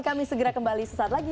kami segera kembali sesaat lagi